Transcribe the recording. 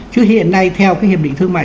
chứ hiện nay theo cái hiệp định thương mại